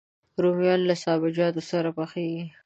رومیان له سابهجاتو سره پخېږي